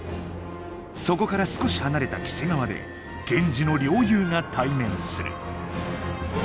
そこから少し離れた黄瀬川で源氏の両雄が対面する。